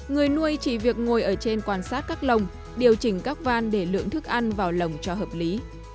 người nuôi chỉ việc ngồi ở trên quan sát các lồng điều chỉnh các van để lượng thức ăn vào lồng cho hợp lý